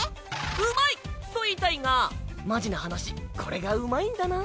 うまい！と言いたいがマジな話これがうまいんだな。